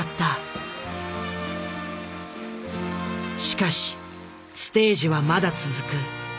しかしステージはまだ続く。